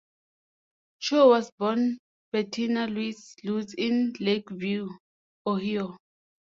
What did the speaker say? Chow was born Bettina Louise Lutz in Lakeview, Ohio.